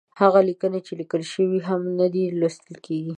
هغه ليکنې چې ليکل شوې هم نه دي، لوستل کېږي.